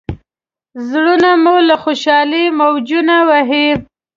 زړونه مو له خوشالۍ موجونه وهي.